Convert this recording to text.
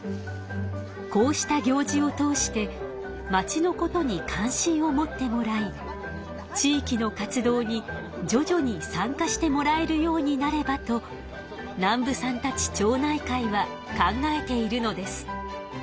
こうした行事を通してまちのことに関心を持ってもらい地域の活動にじょじょに参加してもらえるようになればと南部さんたち町内会は考えているのです。